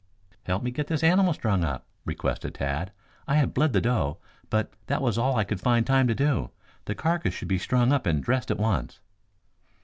"Help me get this animal strung up," requested Tad. "I have bled the doe, but that was all I could find time to do. The carcass should be strung up and dressed at once."